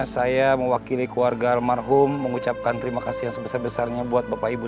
saya mewakili keluarga almarhum mengucapkan terima kasih yang sebesar besarnya buat bapak ibu